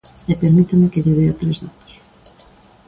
E permítame que lle dea tres datos.